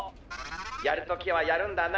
やるときはやるんだな。